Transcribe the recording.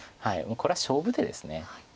これは勝負手です。